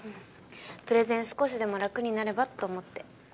プレゼン少しでも楽になればと思って。